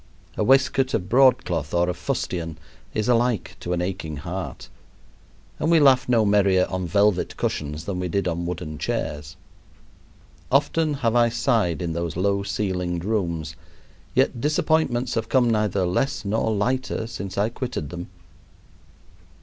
A waistcoat of broadcloth or of fustian is alike to an aching heart, and we laugh no merrier on velvet cushions than we did on wooden chairs. Often have I sighed in those low ceilinged rooms, yet disappointments have come neither less nor lighter since I quitted them.